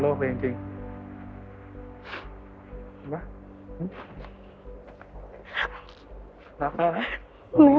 แล้วลูกก็จะอยู่ด้วยแม่